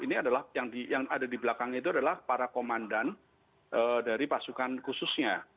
ini adalah yang ada di belakang itu adalah para komandan dari pasukan khususnya